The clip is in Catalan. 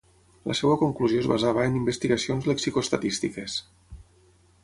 La seva conclusió es basava en investigacions lexicostatístiques.